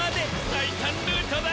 さいたんルートだ！